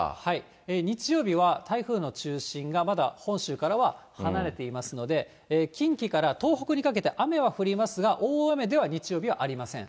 日曜日は台風の中心がまだ本州からは離れていますので、近畿から東北にかけて、雨は降りますが、大雨では日曜日はありません。